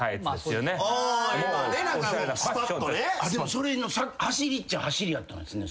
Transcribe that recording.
それの走りっちゃ走りやったんですね。